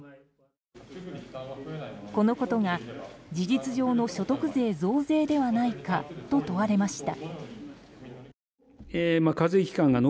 このことが、事実上の所得税増税ではないかと問われました。